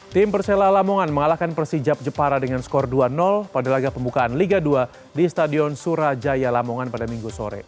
tim persela lamongan mengalahkan persijap jepara dengan skor dua pada laga pembukaan liga dua di stadion surajaya lamongan pada minggu sore